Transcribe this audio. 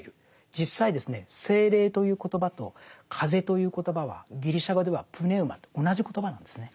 実際ですね「聖霊」という言葉と「風」という言葉はギリシャ語ではプネウマと同じ言葉なんですね。